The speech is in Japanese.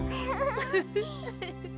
フフフフ。